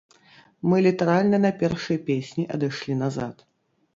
Мы літаральна на першай песні адышлі назад.